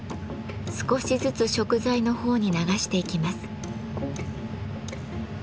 少しずつ食材のほうに流していきます。